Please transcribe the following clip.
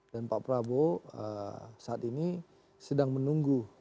dan pak prabowo saat ini sedang menunggu